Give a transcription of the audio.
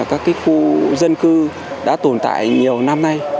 các khu dân cư đã tồn tại nhiều năm nay